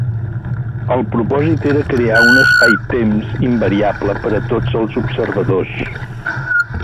El propòsit era crear un espai-temps invariable per a tots els observadors.